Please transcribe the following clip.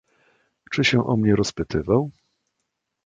"Czy się o mnie rozpytywał?"